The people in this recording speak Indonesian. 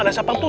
ada satpam tuh